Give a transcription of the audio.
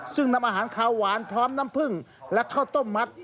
ซึ่งนำอาหารขาวหวานพร้อมน้ำผึ้งและข้าวต้มมัด